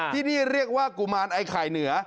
ที่นี่เรียกว่ากุมารไอ้ไข่เหนือ